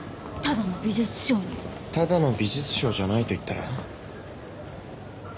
ただの美術商じゃないと言ったら？